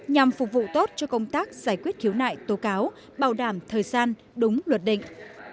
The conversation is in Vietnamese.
nhằm phục vụ tốt cho công tác giải quyết khiếu nại tố cáo bảo đảm thời gian đúng luật định